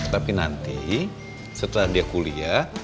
tapi nanti setelah dia kuliah